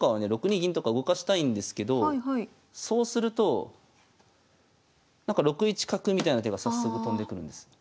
６二銀とか動かしたいんですけどそうすると６一角みたいな手が早速とんでくるんです。